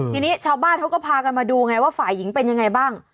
ทีนี้ชาวบ้านเขาก็พากันมาดูไงว่าฝ่ายหญิงเป็นยังไงบ้าง